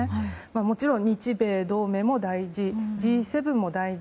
もちろん日米同盟も大事Ｇ７も大事。